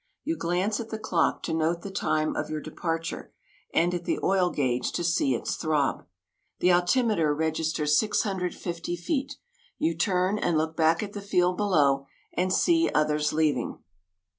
You glance at the clock to note the time of your departure, and at the oil gauge to see its throb. The altimeter registers 650 feet. You turn and look back at the field below and see others leaving.